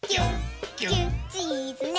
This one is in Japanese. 「チーズね」